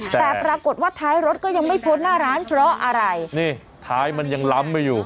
แต่ปรากฏว่าท้ายรถก็ยังไม่พ้นหน้าร้านเพราะอะไรนี่ท้ายมันยังล้ำไม่อยู่